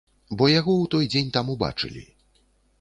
Бо яго ў той дзень там убачылі.